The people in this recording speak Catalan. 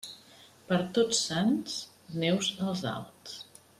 Per Tots Sants, neus als alts.